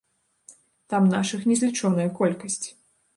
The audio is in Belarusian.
Там нашых незлічоная колькасць.